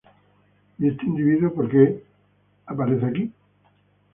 Fue sucedido por el teniente general Alejandro Lanusse.